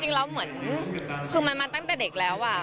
จริงแล้วเหมือนคือมันมาตั้งแต่เด็กแล้ว